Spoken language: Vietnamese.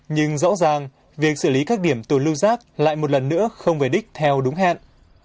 nhưng rõ ràng việc xử lý các điểm từ lưu rác lại một lần nữa không về đích theo đúng hẹn